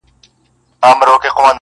چي يوه لپه ښكلا يې راته راكړه.